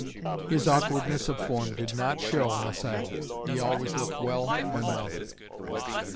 His awkwardness of form did not show in the saddle. He always looked well when mounted."